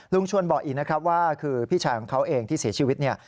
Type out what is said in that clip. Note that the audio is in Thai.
ชวนบอกอีกนะครับว่าคือพี่ชายของเขาเองที่เสียชีวิตเนี่ย